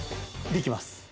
できます